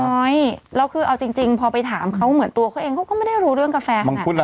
ก้าวร้อยแล้วคือเอาจริงจริงพอไปถามเขาเหมือนตัวเขาเองก็ไม่ได้รู้เรื่องกาแฟขนาดงั้น